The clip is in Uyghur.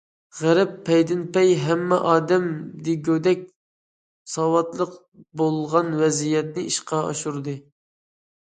غەرب پەيدىنپەي ھەممە ئادەم دېگۈدەك ساۋاتلىق بولغان ۋەزىيەتنى ئىشقا ئاشۇردى.